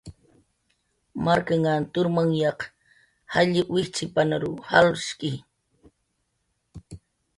Marknhan turmanyaq jall wijchipanrw jalshki.